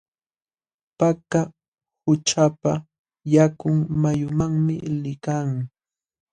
Paka qućhapa yakun mayumanmi liykan.